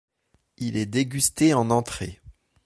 Il est dégusté en entrée.